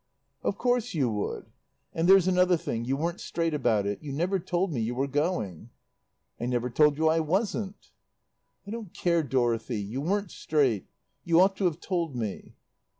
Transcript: "Of course you would. And there's another thing. You weren't straight about it. You never told me you were going." "I never told you I wasn't." "I don't care, Dorothy; you weren't straight. You ought to have told me."